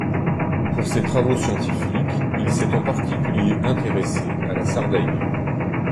Pour ses travaux scientifiques, il s’est en particulier intéressé à la Sardaigne.